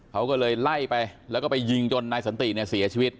เขาก็เลยไล่ไปแล้วก็ไปยิงจนนายสันติเนี่ยเสียชีวิต